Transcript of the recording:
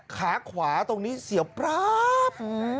ขาขวาตรงนี้เสียวป๊าบ